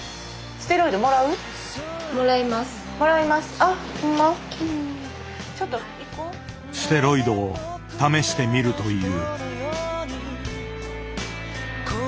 ステロイドを試してみるという。